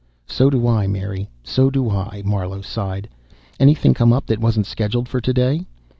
"So do I, Mary, so do I," Marlowe sighed. "Anything come up that wasn't scheduled for today?"